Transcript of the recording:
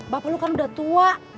bapak lu kan udah tua